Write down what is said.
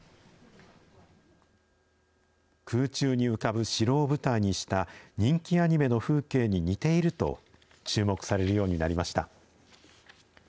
空中に浮かぶ城を舞台にした人気アニメの風景に似ていると、注目されるようになりました。